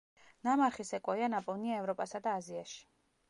ნამარხი სეკვოია ნაპოვნია ევროპასა და აზიაში.